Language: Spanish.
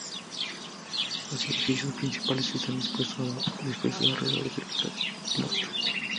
Los edificios principales están dispuestos alrededor del claustro.